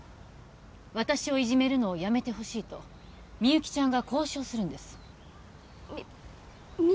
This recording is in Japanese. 私をいじめるのをやめてほしいとみゆきちゃんが交渉するんですみ